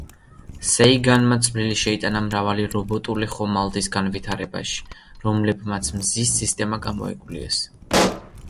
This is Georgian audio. სეიგანმა წვლილი შეიტანა მრავალი რობოტული ხომალდის განვითარებაში, რომლებმაც მზის სისტემა გამოიკვლიეს.